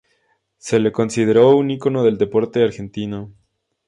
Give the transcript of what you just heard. Se lo considera un icono del deporte argentino.